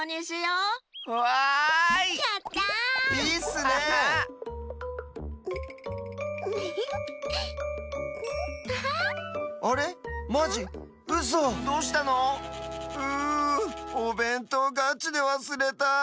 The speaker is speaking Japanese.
ううおべんとうガチでわすれた。